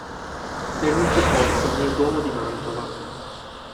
Venne sepolto nel Duomo di Mantova.